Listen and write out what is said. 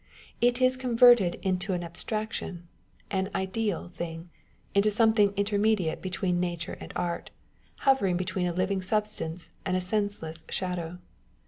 It is con verted into an abstraction, an ideal thing, into something intermediate between nature and art, hovering between a living substance and a senseless shadow.